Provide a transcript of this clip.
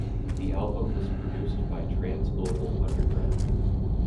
The album was produced by Transglobal Underground.